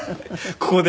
ここで？